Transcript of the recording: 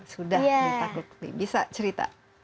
sudah ditakuti bisa cerita